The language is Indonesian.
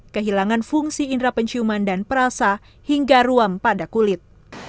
kehilangan fungsi indera penciuman dan perasa hingga ruam pada kulit